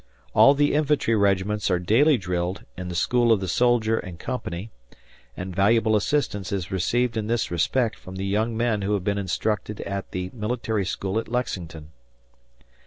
All the infantry regiments are daily drilled in the school of the soldier and company, and valuable assistance is received in this respect from the young men who have been instructed at the Military School at Lexington."